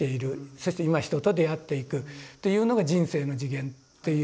そして今人と出会っていくっていうのが人生の次元っていうことで。